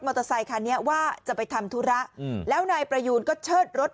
เตอร์ไซคันนี้ว่าจะไปทำธุระอืมแล้วนายประยูนก็เชิดรถ